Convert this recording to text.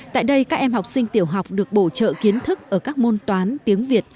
tại đây các em học sinh tiểu học được bổ trợ kiến thức ở các môn toán tiếng việt